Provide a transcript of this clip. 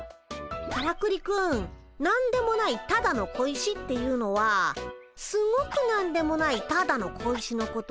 からくりくん何でもないただの小石っていうのはすごく何でもないただの小石のことで。